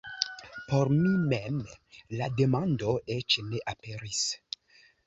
Por mi mem la demando eĉ ne aperis.